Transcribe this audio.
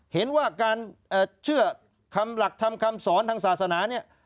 เห็นว่าการเชื่อคำหลักทำคำสอนทางศาสนาเนี่ย